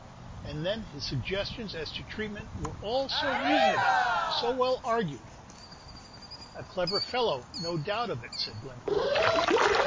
And then his suggestions as to treatment were all so reasonable, so well argued." "A clever fellow, no doubt of it," said Glencore.